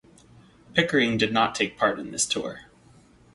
Pickering did not take part in this tour.